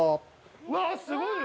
うわっすごいよ。